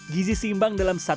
gizi seimbang dalam satu